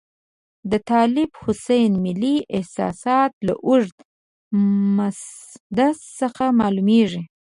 د طالب حسین ملي احساسات له اوږده مسدس څخه معلوميږي.